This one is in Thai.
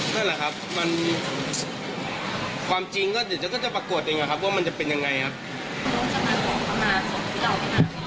นั่นแหละครับมันความจริงก็เดี๋ยวจะประกวดเองอะครับว่ามันจะเป็นยังไงครับ